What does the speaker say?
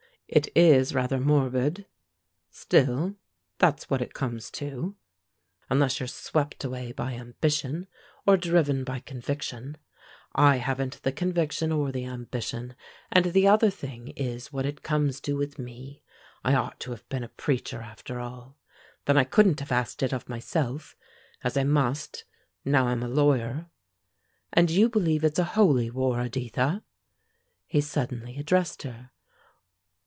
"It is rather morbid. Still, that's what it comes to, unless you're swept away by ambition, or driven by conviction. I haven't the conviction or the ambition, and the other thing is what it comes to with me. I ought to have been a preacher, after all; then I couldn't have asked it of myself, as I must, now I'm a lawyer. And you believe it's a holy war, Editha?" he suddenly addressed her.